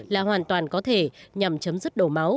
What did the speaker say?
là hoàn toàn có thể nhằm chấm dứt đổ máu